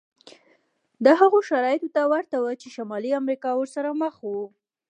دا هغو شرایطو ته ورته و چې شمالي امریکا ورسره مخ وه.